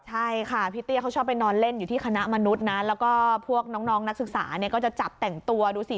ใช่ค่ะพี่เตี้ยเขาชอบไปนอนเล่นอยู่ที่คณะมนุษย์นะแล้วก็พวกน้องนักศึกษาเนี่ยก็จะจับแต่งตัวดูสิ